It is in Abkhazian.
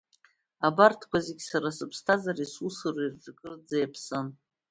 Абарҭқәа зегьы сара сыԥсҭазаареи сусуреи рҿы акырӡа иаԥсан.